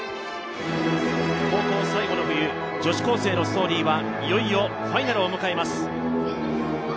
高校最後の冬、女子高生のストーリーはいよいよファイナルを迎えます。